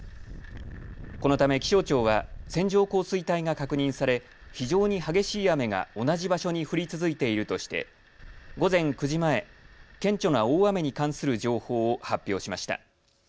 このため気象庁は線状降水帯が確認され非常に激しい雨が同じ場所に降り続けているとして午前９時前顕著な大雨に関する情報を発表しました。